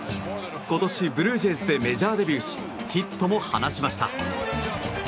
今年、ブルージェイズでメジャーデビューしヒットも放ちました。